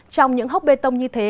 trong những hốc bê tông như thế